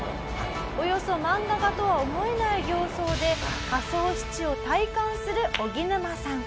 「およそ漫画家とは思えない形相で仮想死地を体感するおぎぬまさん」